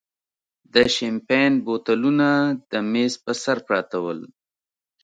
د شیمپین بوتلونه د مېز پر سر پراته ول.